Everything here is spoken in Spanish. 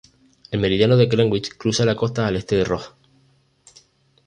El Meridiano de Greenwich cruza la costa al este de Roos.